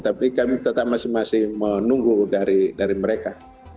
tapi kami tetap masing masing menunggu dari mereka